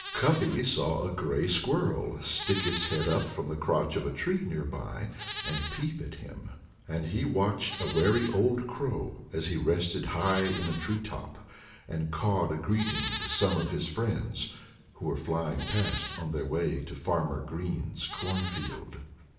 Cuffy saw a gray squirrel stick its head up from the crotch of a tree nearby and peep at him. And he watched a wary old crow as he rested high in a tree top and cawed a greeting to some of his friends who were flying past on their way to Farmer Green's cornfield.